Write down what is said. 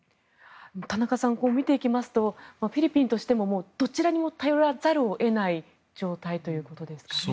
見ていきますとフィリピンとしてもどちらにも頼らざるを得ない状態ということですかね。